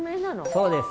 そうです。